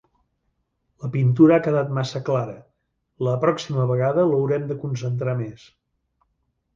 La pintura ha quedat massa clara; la pròxima vegada l'haurem de concentrar més.